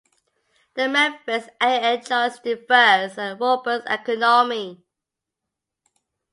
The Memphis area enjoys a diverse and robust economy.